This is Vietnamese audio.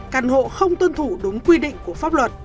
căn hộ không tuân thủ đúng quy định của pháp luật